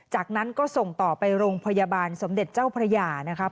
จากนั้นก็ส่งต่อไปโรงพยาบาลสมเด็จเจ้าพระยานะครับ